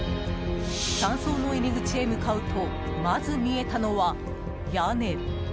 山荘の入り口へ向かうとまず見えたのは、屋根。